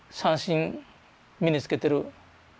踊り身につけてる。